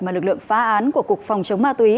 mà lực lượng phá án của cục phòng chống ma túy